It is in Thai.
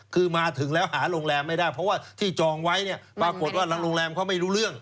คือมาถึงแล้วหาโรงแรมไม่ได้เพราะว่าที่จองไว้เนี่ยปรากฏว่าทางโรงแรมเขาไม่รู้เรื่อง